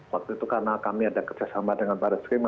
waktu itu karena kami ada kerjasama dengan baris krim